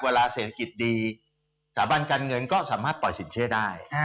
เศรษฐกิจดีสถาบันการเงินก็สามารถปล่อยสินเชื่อได้